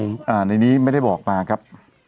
ในนี้ไม่ได้บอกมาครับ